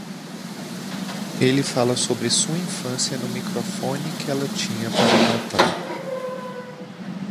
Ele fala sobre sua infância no microfone que ela tinha para o Natal.